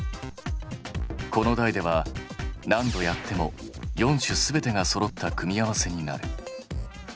子の代では何度やっても４種全てがそろった組み合わせになる。